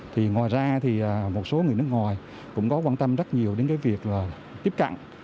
thì ngoài ra thì một số người nước ngoài cũng có quan tâm rất nhiều đến việc tiếp cận